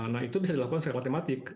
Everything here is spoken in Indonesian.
nah itu bisa dilakukan secara matematik